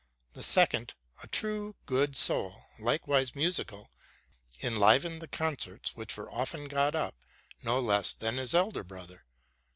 The second, a true, good soul, likewise musical, enlivened the concerts which were often got up, no less than his elder brother.